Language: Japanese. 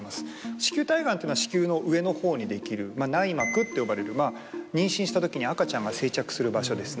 子宮体がんというのは子宮の上のほうにできる内膜って呼ばれる妊娠したときに赤ちゃんが生着する場所ですね。